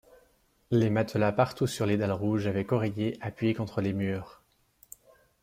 Les matelas partout sur les dalles rouges avec oreillers appuyés contre les murs.